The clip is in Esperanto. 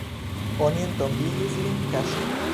Oni entombigis lin kaŝe.